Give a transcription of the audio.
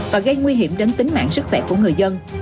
và gây nguy hiểm đến tính mạng sức khỏe của người dân